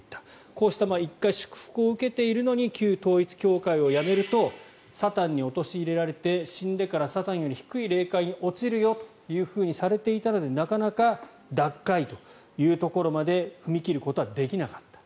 こうした祝福を１回受けているのに旧統一教会をやめるとサタンに陥れられて死んでからサタンより低い霊界に落ちるよとされていたのでなかなか脱会というところまで踏み切ることはできなかった。